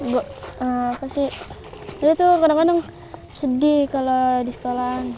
gak apa sih jadi tuh kadang kadang sedih kalau di sekolah